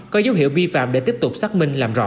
có dấu hiệu vi phạm để tiếp tục xác minh làm rõ